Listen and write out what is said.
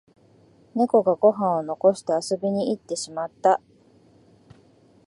ネコがご飯を残して遊びに行ってしまった